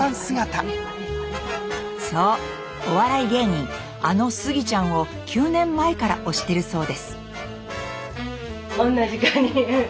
そうお笑い芸人あのスギちゃんを９年前から推してるそうです。